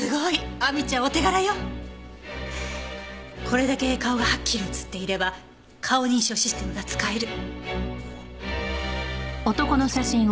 これだけ顔がはっきり写っていれば顔認証システムが使える。